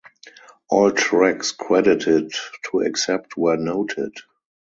All tracks credited to except where noted